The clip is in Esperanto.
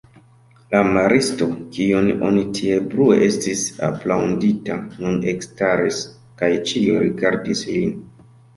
La maristo, kiun oni tiel brue estis aplaŭdinta, nun ekstaris kaj ĉiuj rigardis lin.